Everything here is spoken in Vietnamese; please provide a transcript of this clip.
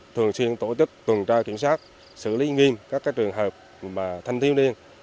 thường xuyên tổ chức tuần tra kiểm soát xử lý nghiêm các trường hợp mà thanh thiếu niên